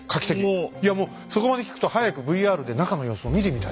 いやもうそこまで聞くと早くＶＲで中の様子を見てみたいですね。